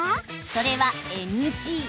それはＮＧ。